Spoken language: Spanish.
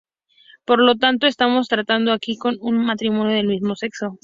Por lo tanto, ¿estamos tratando aquí con un matrimonio del mismo sexo?